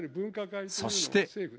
そして。